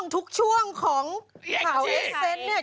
ทุกช่วงของผ่าเอเซนซ์นี่จริง